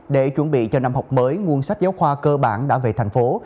để chuẩn bị cho năm học mới nguồn sách giáo khoa cơ bản đã về thành phố